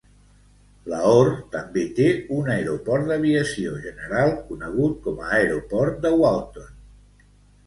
Lahore també té un aeroport d'aviació general conegut com aeroport de Walton.